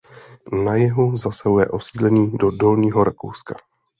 Na jihu zasahuje osídlení do Dolního Rakouska.